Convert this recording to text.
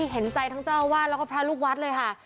เห็นใจทั้งเจ้าอาวาสแล้วก็พระลูกวัดเลยค่ะ